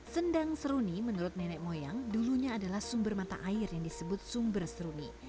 sendang seruni menurut nenek moyang dulunya adalah sumber mata air yang disebut sumber seruni